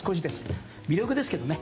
微力ですけどね。